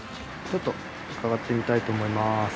ちょっと伺ってみたいと思います。